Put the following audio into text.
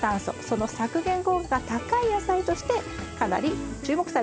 その削減効果が高い野菜としてかなり注目されてるんです。